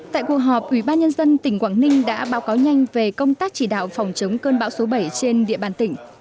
tại cuộc họp ủy ban nhân dân tỉnh quảng ninh đã báo cáo nhanh về công tác chỉ đạo phòng chống cơn bão số bảy trên địa bàn tỉnh